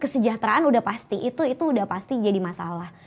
kesejahteraan udah pasti itu udah pasti jadi masalah